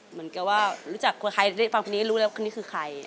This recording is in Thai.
เหมือนแกว่าใครได้ฟังเพลงนี้ก็รู้แล้วว่ามันคือใคร